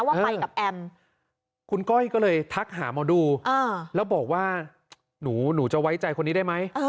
ว่าไปกับแอมคุณก้อยก็เลยทักหาหมอดูแล้วบอกว่าหนูจะไว้ใจคนนี้ได้ไหม